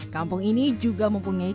kampung ini juga mempunyai